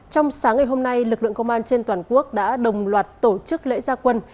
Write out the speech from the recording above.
trong sáng ngày hôm nay lực lượng công an trên toàn quốc đã đồng loạt tổ chức lễ gia quân